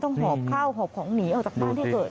ต้องหอบเข้าหอบของหนีออกจากบ้านที่เกิด